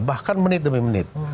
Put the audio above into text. bahkan menit demi menit